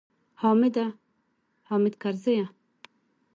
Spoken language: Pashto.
حامده! حامد کرزیه!